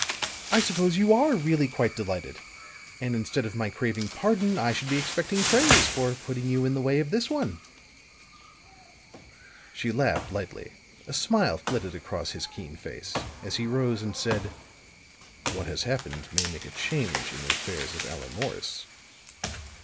I suppose you are really quite delighted; and instead of my craving pardon I should be expecting praise, for putting you in the way of this one." She laughed lightly; a smile flitted across his keen face, as he rose and said: "What has happened may make a change in the affairs of Allan Morris."